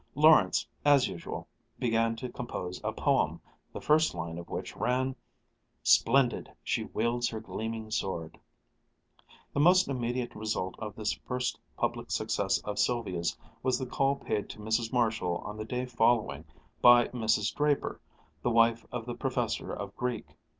Lawrence, as usual, began to compose a poem, the first line of which ran, "Splendid, she wields her gleaming sword " The most immediate result of this first public success of Sylvia's was the call paid to Mrs. Marshall on the day following by Mrs. Draper, the wife of the professor of Greek.